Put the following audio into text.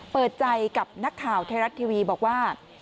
เปิดใจกับนักข่าวไทยรัฐทีวีบอกว่า